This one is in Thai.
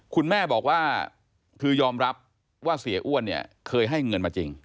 คุณแม่บอกว่าคือยอมรับว่าเสียอ้วนเนี่ยเคยให้เงินมาจริง